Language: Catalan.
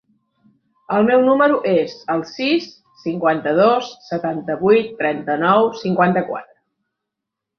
El meu número es el sis, cinquanta-dos, setanta-vuit, trenta-nou, cinquanta-quatre.